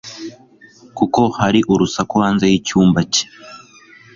kuko hari urusaku hanze yicyumba cye